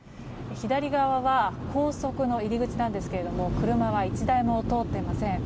左側は高速の入り口なんですけれども車は１台も通ってません。